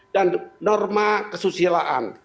dan norma kesusilaan